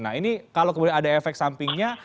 nah ini kalau kemudian ada efek sampingnya